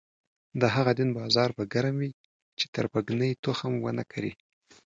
د هغه دین بازار به ګرم وي چې تربګنۍ تخم ونه کري.